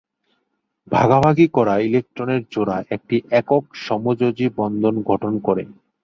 ভাগাভাগি করা ইলেকট্রনের জোড়া একটি একক সমযোজী বন্ধন গঠন করে।